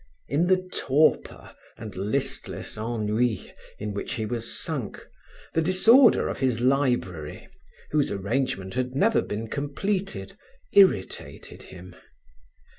In the torpor and listless ennui in which he was sunk, the disorder of his library, whose arrangement had never been completed, irritated him.